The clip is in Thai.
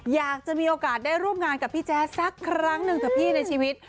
อยากจะมีโอกาสได้ร่วมงานกับพี่แจ๊ดสักครั้งหนึ่งเถอะพี่ในชีวิต